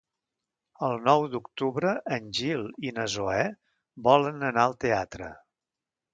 El nou d'octubre en Gil i na Zoè volen anar al teatre.